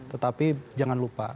tetapi jangan lupa